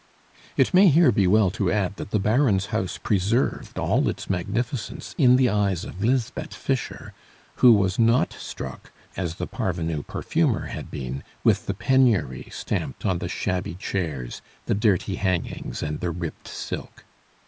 It may here be well to add that the Baron's house preserved all its magnificence in the eyes of Lisbeth Fischer, who was not struck, as the parvenu perfumer had been, with the penury stamped on the shabby chairs, the dirty hangings, and the ripped silk.